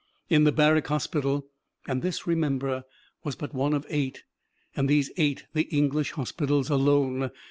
In the Barrack Hospital (and this, remember, was but one of eight, and these eight the English hospitals alone!)